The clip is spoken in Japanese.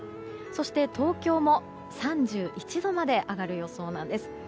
そして東京も３１度まで上がる予想なんです。